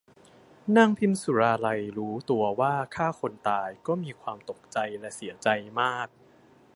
นางพิมสุราลัยรู้ตัวว่าฆ่าคนตายก็มีความตกใจและเสียใจมาก